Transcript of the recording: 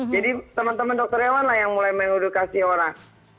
jadi teman teman dokter hewan lah yang mulai mengedukasi orang